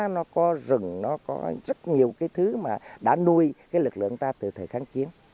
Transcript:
nó có rừng nó có rất nhiều cái thứ mà đã nuôi cái lực lượng ta từ thời kháng chiến